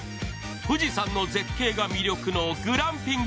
富士山の絶景が魅力のグランピング